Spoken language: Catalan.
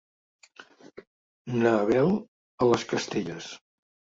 Na Bel a les Castelles.